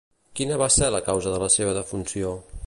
Quina va ser la causa de la seva defunció?